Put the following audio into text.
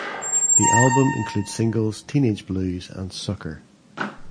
The album includes the singles "Teenage Blues" and "Sucker".